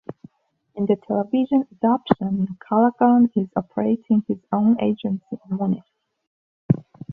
In the television adaptation Callaghan is operating his own agency in Munich.